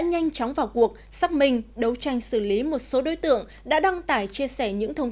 nhanh chóng vào cuộc sắp mình đấu tranh xử lý một số đối tượng đã đăng tải chia sẻ những thông